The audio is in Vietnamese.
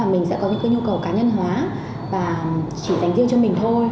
mình sẽ có những cái nhu cầu cá nhân hóa và chỉ dành riêng cho mình thôi